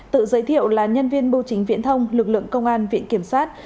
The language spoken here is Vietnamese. tự giới thiệu là nhân viên bưu chính viện thông lực lượng công an viện kiểm sát